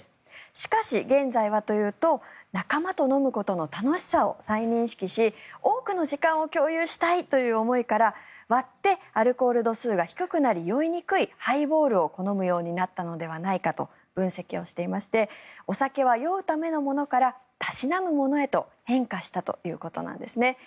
しかし、現在はというと仲間と飲むことの楽しさを再認識し、多くの時間を共有したいということから割ってアルコール度数が低くなり酔いにくいハイボールを好むようになったのではないかと分析していましてお酒は酔うためのものからたしなむものへと変化したということなんですね。